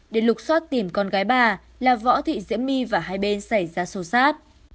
để lục xót tìm con gái bà là võ thị diễm my và hai bên xảy ra xô xát